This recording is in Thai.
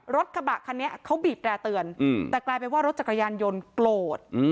รถกระบะคันนี้เขาบีบแร่เตือนแต่กลายเป็นว่ารถจักรยานยนต์โกรธ